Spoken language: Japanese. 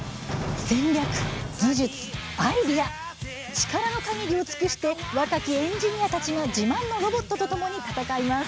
力のかぎりを尽くして若きエンジニアたちが自慢のロボットとともに戦います。